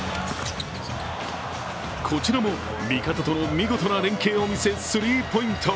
こちらも味方との見事な連係を見せ、スリーポイント。